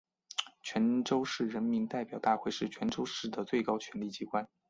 泉州市人民代表大会是泉州市的最高权力机关。